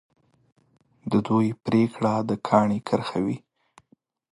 د دوی پرېکړه د کاڼي کرښه وي.